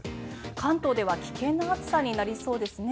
関東では危険な暑さになりそうですね。